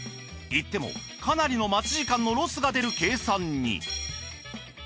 行ってもかなりの待ち時間のロスが出る計算に。